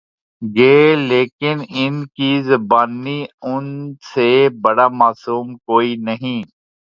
گے لیکن ان کی زبانی ان سے بڑا معصوم کوئی نہیں۔